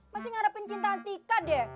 masih ngarepin cinta atika deh